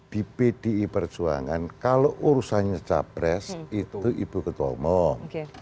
di pdi perjuangan kalau urusannya capres itu ibu ketua umum